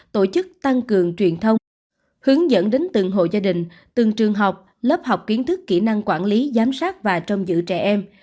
tổ chức tăng cường truyền thông hướng dẫn đến từng hộ gia đình từng trường học lớp học kiến thức kỹ năng quản lý giám sát và trong giữ trẻ em